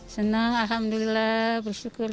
senang alhamdulillah bersyukur